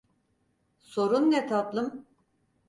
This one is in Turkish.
Sorun ne tatlım?